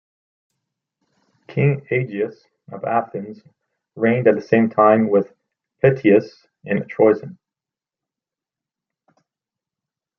King Aegeus of Athens reigned at the same time with Pittheus in Troezen.